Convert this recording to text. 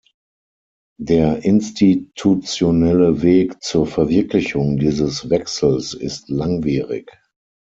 Der institutionelle Weg zur Verwirklichung dieses Wechsels ist langwierig.